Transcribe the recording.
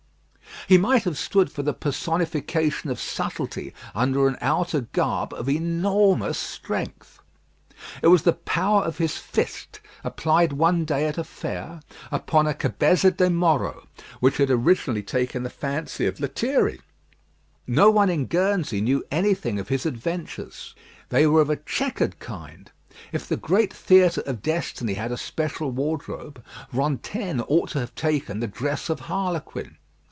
He might have stood for the personification of subtlety under an outer garb of enormous strength. It was the power of his fist, applied one day at a fair, upon a cabeza de moro, which had originally taken the fancy of Lethierry. No one in Guernsey knew anything of his adventures. They were of a chequered kind. If the great theatre of destiny had a special wardrobe, Rantaine ought to have taken the dress of harlequin.